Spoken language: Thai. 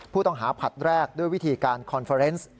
ผู้ต้องหาผัดแรกด้วยวิธีการคอนเฟอร์เนส